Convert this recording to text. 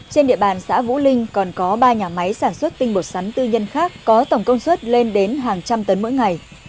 trên địa bàn xã vũ linh còn có ba nhà máy sản xuất tinh bột sắn tư nhân khác có tổng công suất lên đến hàng trăm tấn mỗi ngày